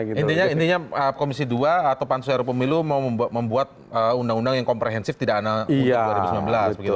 intinya komisi dua atau pansus ru pemilu mau membuat undang undang yang komprehensif tidak ana untuk dua ribu sembilan belas begitu